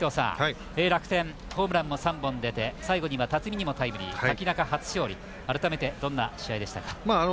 楽天、ホームランも３本出て最後には辰己にもタイムリー改めて、どんな試合でしたか。